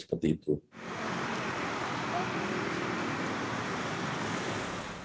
masker yang ditarik lagi bisa saja